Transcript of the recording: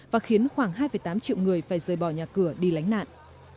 và khiến khoảng hai tám triệu người phải rời bỏ nhà cửa đi lánh nạn